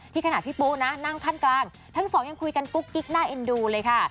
ขณะพี่ปุ๊นะนั่งขั้นกลางทั้งสองยังคุยกันกุ๊กกิ๊กน่าเอ็นดูเลยค่ะ